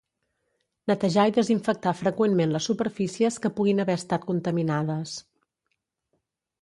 Netejar i desinfectar freqüentment les superfícies que puguin haver estat contaminades.